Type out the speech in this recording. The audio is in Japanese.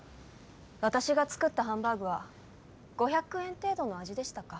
私が作ったハンバーグは５００円程度の味でしたか？